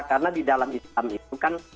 karena di dalam islam itu kan